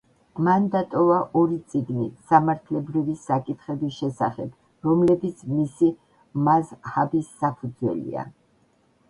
მან დატოვა ორი წიგნი სამართლებრივი საკითხების შესახებ, რომლებიც მისი მაზჰაბის საფუძველია.